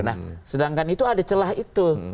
nah sedangkan itu ada celah itu